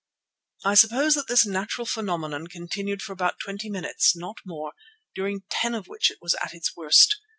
I suppose that this natural phenomenon continued for about twenty minutes, not more, during ten of which it was at its worst.